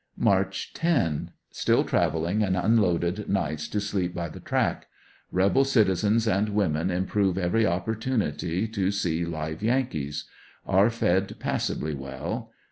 March 10, — Still traveling, and unloaded nights to sleep by the track. Rebel citizens and women improve every opportunity to see live Yankees. Are fed passably well.